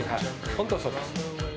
本当そうです。